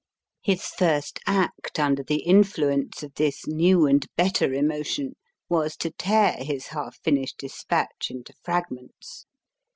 His first act under the influence of this new and better emotion was to tear his half finished dispatch into fragments.